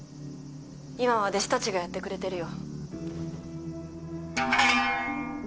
今は弟子たちがやってくれてるよ。